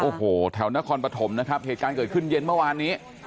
โอ้โหแถวนครปฐมนะครับเหตุการณ์เกิดขึ้นเย็นเมื่อวานนี้